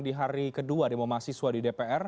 di hari kedua demo mahasiswa di dpr